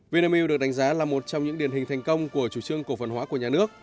vinamilk được đánh giá là một trong những điển hình thành công của chủ trương cổ phần hóa của nhà nước